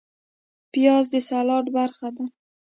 پیاز د سلاد برخه ده